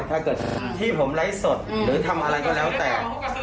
ถ้าเกิดที่ผมไลฟ์สดหรือทำอะไรก็แล้วแต่